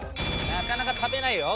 なかなか食べないよ